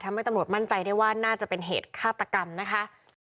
ทำให้ตำรวจมั่นใจได้ว่าน่าจะเป็นเหตุฆาตกรรมนะคะ